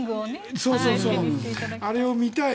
あれを見たい。